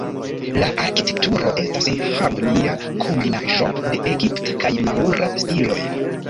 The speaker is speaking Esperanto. La arkitekturo estas harmonia kombinaĵo de egipta kaj maŭra stiloj.